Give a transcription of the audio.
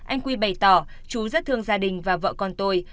anh quy bày tỏ chú rất thương gia đình và vợ con tôi